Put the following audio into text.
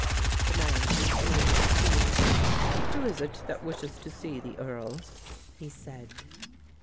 The man seemed to notice it too. "Who is it that wishes to see the Earl?" he said.